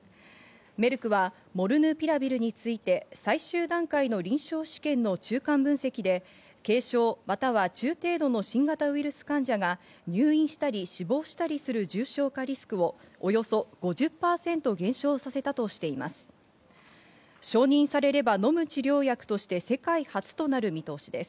メルクはモルヌピラビルについて最終段階の臨床試験の中間分析で軽症または中程度の新型ウイルス患者が入院したり死亡したりする重症化リスクをおよそ５０％減少させたとしています。